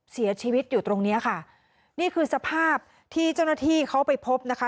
เสียชีวิตอยู่ตรงเนี้ยค่ะนี่คือสภาพที่เจ้าหน้าที่เขาไปพบนะคะ